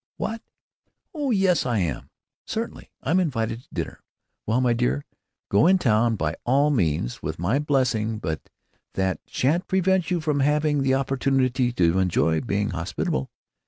What?... Oh yes, I am; certainly I'm invited to dinner.... Well, my dear, go in town by all means, with my blessing; but that sha'n't prevent you from having the opportunity to enjoy being hospitable....